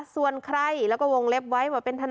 ส่วนใครและวงเล็บไว้ว่าเป็นท